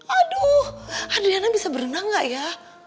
aduh adriana bisa berenang gak ya